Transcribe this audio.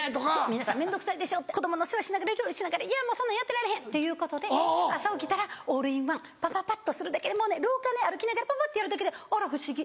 皆さん面倒くさいでしょ子供の世話しながらいろいろしながらもうそんなんやってられへん！っていうことで朝起きたらオールインワンぱぱぱっとするだけでもうね廊下ね歩きながらぱぱってやるだけであら不思議。